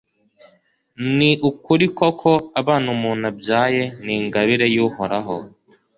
Ni ukuri koko abana umuntu abyaye ni ingabire y’Uhoraho